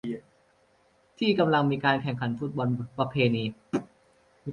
ที่กำลังมีการแข่งขันฟุตบอลประเพณี